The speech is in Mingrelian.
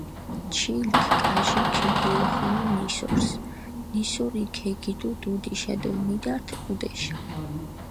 ჩილქ კაჟი ქიგიოხუნუ ნისორს, ნისორი ქეგიდუ დუდიშა დო მიდართჷ ჸუდეშა.